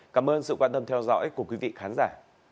cảm ơn sự quan tâm theo dõi của quý vị khán giả